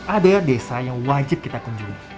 ada desa yang wajib kita kunjungi